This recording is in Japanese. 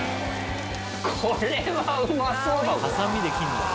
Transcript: これはうまそうだぞ。